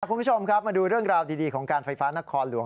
คุณผู้ชมครับมาดูเรื่องราวดีของการไฟฟ้านครหลวง